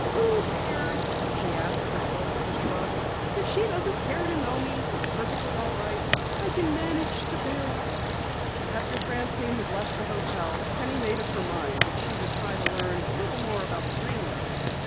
"Who cares?" she asked herself with a shrug. "If she doesn't care to know me, it's perfectly all right. I can manage to bear up." After Francine had left the hotel, Penny made up her mind that she would try to learn a little more about the Green Room.